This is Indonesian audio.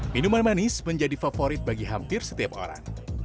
minuman manis menjadi favorit bagi hampir setiap orang